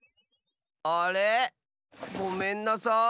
あれごめんなさい。